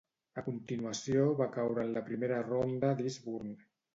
A continuació va caure en la primera ronda d'Eastbourne.